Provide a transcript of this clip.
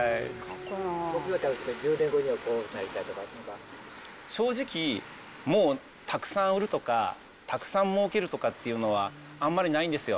１０年後にはこうなりたいと正直、もうたくさん売るとか、たくさんもうけるとかっていうのは、あんまりないんですよ。